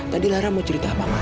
tadi lara mau cerita apa sama ayah